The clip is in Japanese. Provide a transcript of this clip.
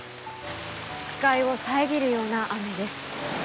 視界を遮るような雨です。